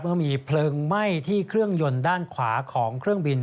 เมื่อมีเพลิงไหม้ที่เครื่องยนต์ด้านขวาของเครื่องบิน